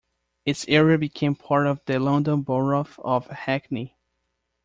Its area became part of the London Borough of Hackney.